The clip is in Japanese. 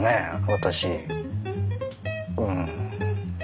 私うん。